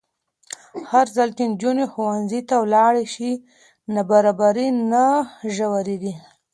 هرځل چې نجونې ښوونځي ته ولاړې شي، نابرابري نه ژورېږي.